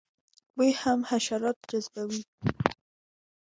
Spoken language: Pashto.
بوی هم حشرات جذبوي